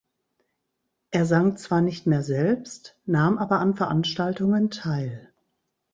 Er sang zwar nicht mehr selbst, nahm aber an Veranstaltungen teil.